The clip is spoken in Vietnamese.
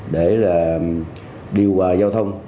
để là điều hòa giao thông